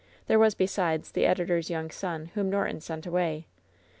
There was, besides, the editor's young son, whom Norton sent away.